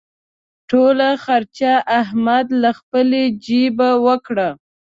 ټوله خرچه احمد له خپلې جېبه وکړه.